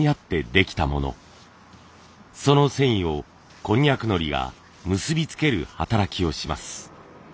その繊維をこんにゃくのりが結び付ける働きをします。